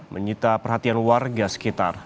menyita perhatian warga sekitar